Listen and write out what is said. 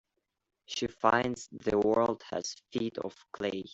She finds the world has feet of clay.